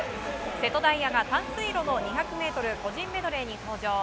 瀬戸大也が短水路の２００ｍ個人メドレーに登場。